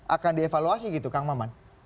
akan dievaluasi gitu kang maman